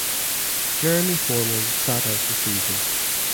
Jeremy Forman sat out the season.